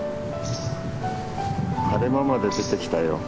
晴れ間まで出てきたよ。